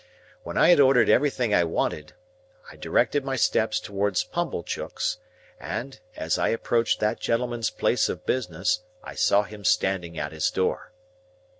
When I had ordered everything I wanted, I directed my steps towards Pumblechook's, and, as I approached that gentleman's place of business, I saw him standing at his door.